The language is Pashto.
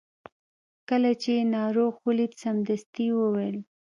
کله چې یې ناروغ ولید سمدستي یې وویل.